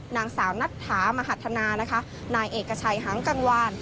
นางสาวนัตถามหัฒนานายเอกชัยฮังกังวาน